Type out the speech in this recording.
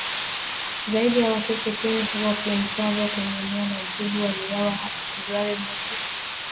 zaidi ya watu sitini huko Plaine Savo kwenye eneo la Djubu, waliuawa hapo Februari mosi mwendesha mashtaka wa kijeshi Joseph Makelele aliiambia mahakama.